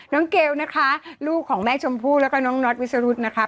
เกลนะคะลูกของแม่ชมพู่แล้วก็น้องน็อตวิสรุธนะคะ